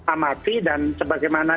amati dan sebagaimana